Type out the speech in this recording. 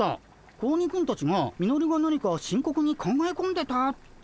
子鬼くんたちがミノルが何か深刻に考え込んでたって言ってたけど？